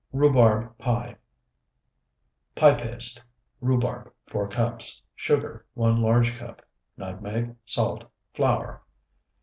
RHUBARB PIE Pie paste. Rhubarb, 4 cups. Sugar, 1 large cup. Nutmeg. Salt. Flour.